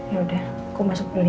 ya udah aku masuk dulu ya